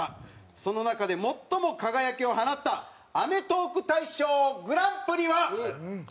その中で最も輝きを放ったアメトーーク大賞グランプリは？